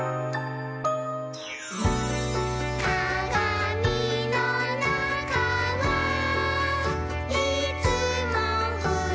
「かがみのなかはいつもふしぎ」